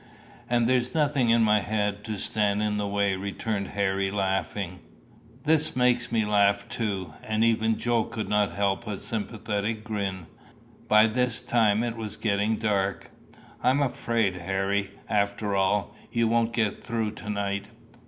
"And there's nothing in my head to stand in the way!" returned Harry, laughing. This made me laugh too, and even Joe could not help a sympathetic grin. By this time it was getting dark. "I'm afraid, Harry, after all, you won't get through to night."